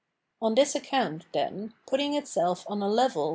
On this account, then, putting itself on a level with * Cp.